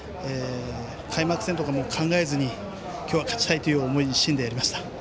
開幕戦とか考えずに今日は勝ちたいという思い一心でやりました。